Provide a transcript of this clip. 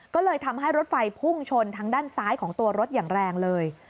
ก็เลยทำให้รถไฟพุ่งชนทางด้านซ้ายของตัวรถอย่างแรงเลย